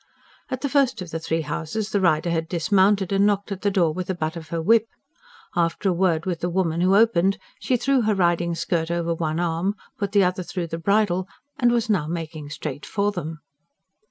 At the first of the three houses the rider had dismounted, and knocked at the door with the butt of her whip. After a word with the woman who opened, she threw her riding skirt over one arm, put the other through the bridle, and was now making straight for them.